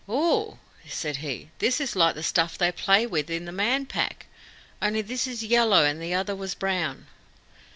"Oho!" said he, "this is like the stuff they play with in the Man Pack: only this is yellow and the other was brown."